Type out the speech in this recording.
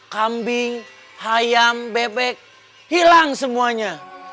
kambing ayam bebek hilang semuanya